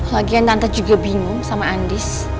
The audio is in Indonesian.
lagian tante juga bingung sama andis